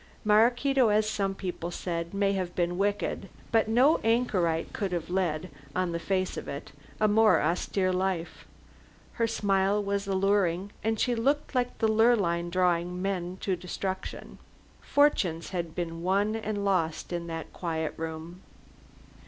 Maraquito, as some people said, may have been wicked, but no anchorite could have led, on the face of it, a more austere life. Her smile was alluring, and she looked like the Lurline drawing men to destruction. Fortunes had been lost in that quiet room.